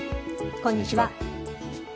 こんにちは。